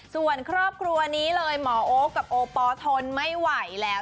ส่วนครอบครัวนี้เลยหมอโอ๊คกับโอปอลทนไม่ไหวแล้ว